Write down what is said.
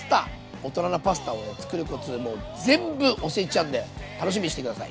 大人なパスタを作るコツもう全部教えちゃうんで楽しみにして下さい！